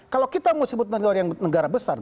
kalau kita mau sebut negara besar